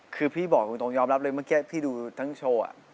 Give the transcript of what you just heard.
คือพี่บอกตรงยอมรับเลยเมื่อกี้พี่ดูทั้งโชว์